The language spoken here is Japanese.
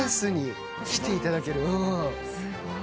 すごい。